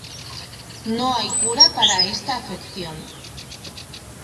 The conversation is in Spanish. No hay cura para esta afección.